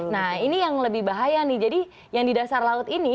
nah ini yang lebih bahaya nih jadi yang di dasar laut ini